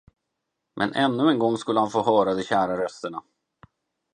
Men ännu en gång skulle han få höra de kära rösterna.